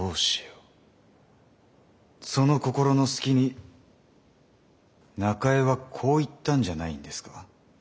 その心の隙に中江はこう言ったんじゃないんですか？